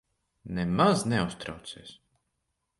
Nemaz neuztraucies.